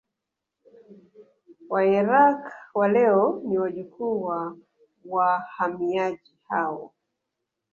Wairaqw wa leo ni wajukuu wa wahamiaji hao